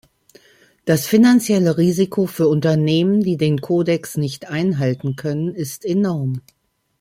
Das finanzielle Risiko für Unternehmen, die den Kodex nicht einhalten können, ist enorm.